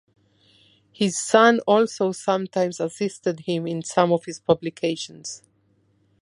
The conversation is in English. His son also sometimes assisted him in some of his publications.